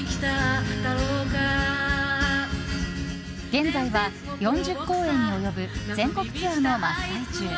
現在は４０公演に及ぶ全国ツアーの真っ最中。